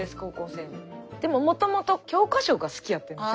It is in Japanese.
でももともと教科書が好きやってんです